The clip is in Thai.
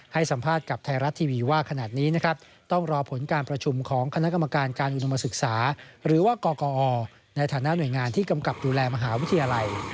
ให้สัมภาษณ์กับไทยรัฐทีวีว่าขณะนี้นะครับต้องรอผลการประชุมของคณะกรรมการการอุดมศึกษาหรือว่ากกอในฐานะหน่วยงานที่กำกับดูแลมหาวิทยาลัย